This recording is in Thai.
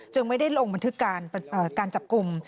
ไม่ได้ลงบันทึกการจับกลุ่ม